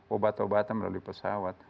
obat obatan melalui pesawat